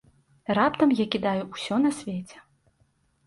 Раптам я кідаю ўсё на свеце.